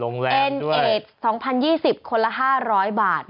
เอ็นเอด๒๐๒๐คนละ๕๐๐บาท